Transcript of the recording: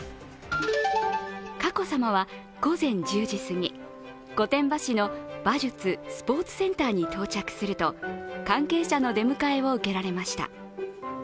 佳子さまは午前１０時すぎ、御殿場市の馬術・スポーツセンターに到着すると、関係者の出迎えを受けられました。